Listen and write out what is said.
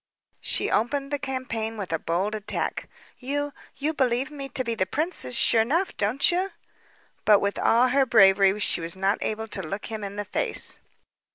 She opened the campaign with a bold attack. "You you believe me to be the princess, sure 'nough, don't you?" But with all her bravery, she was not able to look him in the face.